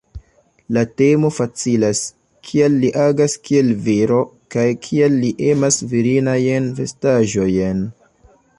La temo facilas: kial li agas kiel viro kaj kial li emas virinajn vestaĵojn?